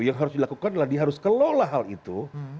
yang harus dilakukan adalah dia harus kelola hal itu